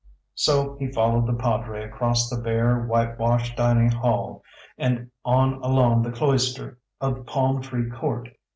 So he followed the padre across the bare, whitewashed dining hall, and on along the cloister of the palm tree court.